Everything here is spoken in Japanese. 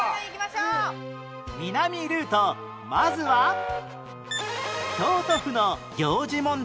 まずは京都府の行事問題